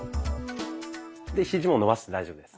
でヒジも伸ばして大丈夫です。